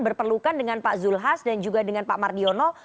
berpelukan dengan pak zulhas dan juga dengan pak mardiono